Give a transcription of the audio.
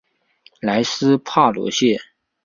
莱斯帕罗谢。